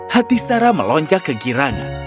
hati sarah melonjak kegirangan